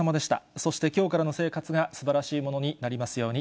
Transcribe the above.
そして、きょうからの生活がすばらしいものになりますように。